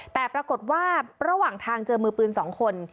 แต่ปรากฏว่าระหว่างทางเจอมือปืน๒คน